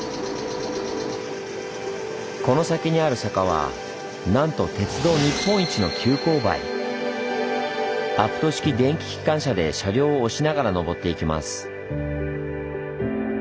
この先にある坂はなんとアプト式電気機関車で車両を押しながら登っていきます。